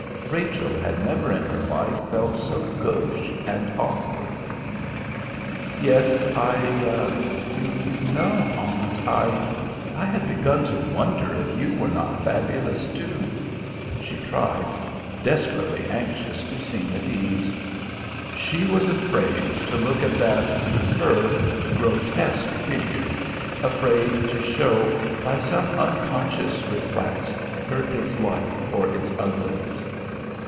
Rachel had never in her life felt so gauche and awkward. "Yes I you know, aunt, I had begun to wonder if you were not fabulous, too," she tried, desperately anxious to seem at ease. She was afraid to look at that, to her, grotesque figure, afraid to show by some unconscious reflex her dislike for its ugliness.